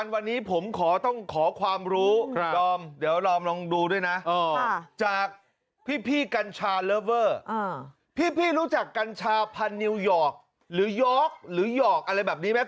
พี่รักเกี่ยวไหม